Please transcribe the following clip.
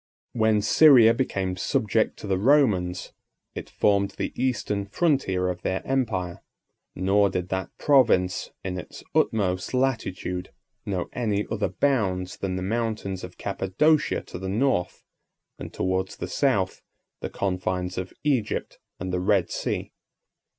When Syria became subject to the Romans, it formed the eastern frontier of their empire: nor did that province, in its utmost latitude, know any other bounds than the mountains of Cappadocia to the north, and towards the south, the confines of Egypt, and the Red Sea.